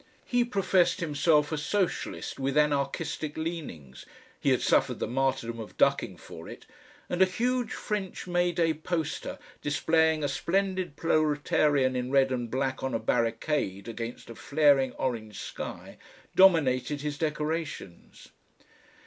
He professed himself a socialist with anarchistic leanings he had suffered the martyrdom of ducking for it and a huge French May day poster displaying a splendid proletarian in red and black on a barricade against a flaring orange sky, dominated his decorations.